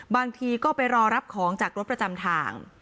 บางทีก็ไปรอรับของจากรถประจำทาง